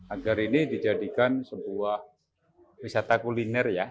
agar ini dijadikan sebuah wisata kuliner ya